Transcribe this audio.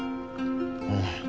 うん。